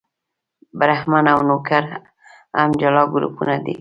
برهمن او نوکر هم جلا ګروپونه دي.